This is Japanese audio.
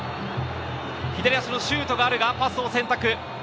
左足のシュートがあるが、パスを選択。